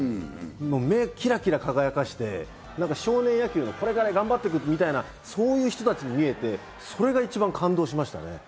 目をキラキラ輝かせて少年野球のこれから頑張っていくみたいな、そういう人たちに見えて、それが一番感動しましたね。